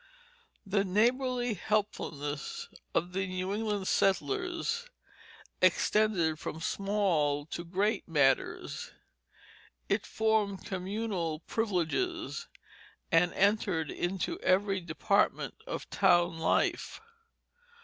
The neighborly helpfulness of the New England settlers extended from small to great matters; it formed communal privileges and entered into every department of town life.